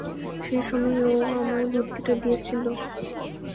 সে সময়ই ও আমায় বুদ্ধিটা দিয়েছিল।